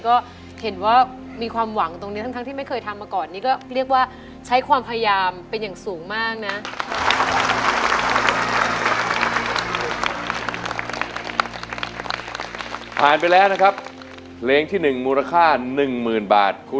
ร้องได้หรือว่าร้องไปบ้างครับ